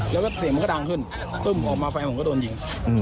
แล้วก็เสียงมันก็ดังขึ้นตึ้มออกมาแฟนผมก็โดนยิง